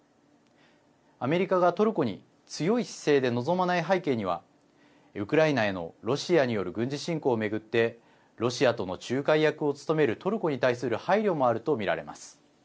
アメリカがトルコに強い姿勢で臨まない背景にはウクライナへのロシアによる軍事侵攻を巡ってロシアとの仲介役を務めるトルコに対する配慮もあると見られます。